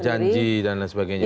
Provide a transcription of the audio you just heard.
janji dan lain sebagainya